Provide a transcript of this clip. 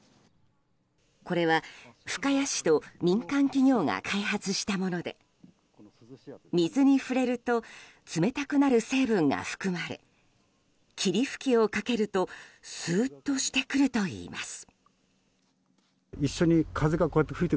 これは深谷市と民間企業が開発したもので水に触れると冷たくなる成分が含まれ霧吹きをかけるとスーッとしてくるといいます。